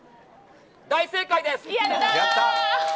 大正解です。